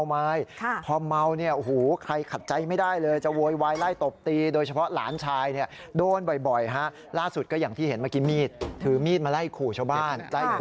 พี่มาไล่ขู่ชาวบ้านไล่ขู่ญาติ